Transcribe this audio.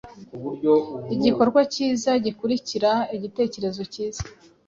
Igikorwa cyiza gikurikira igitekerezo cyiza.